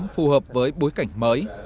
phù hợp với bối cảnh mới